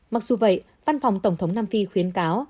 mặc dù vậy văn phòng tổng thống nam phi khuyến cáo